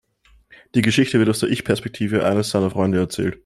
Die Geschichte wird aus der Ich-Perspektive eines seiner Freunde erzählt.